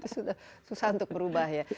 sudah susah untuk berubah ya